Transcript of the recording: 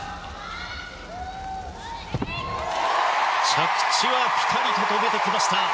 着地はピタリと止めてきました。